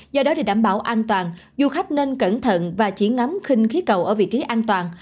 do đó để đảm bảo an toàn du khách nên cẩn thận và chỉ ngắm khinh khí cầu ở vị trí an toàn